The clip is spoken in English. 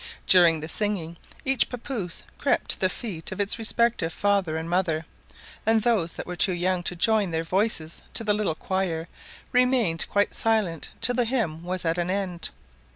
During the singing each papouse crept to the feet of its respective father and mother, and those that were too young to join their voices to the little choir, remained quite silent till the hymn was at an end.